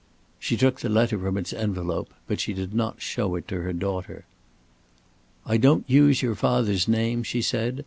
She took the letter from its envelope but she did not show it to her daughter. "I don't use your father's name," she said.